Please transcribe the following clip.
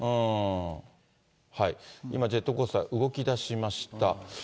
今、ジェットコースター、動きだしました。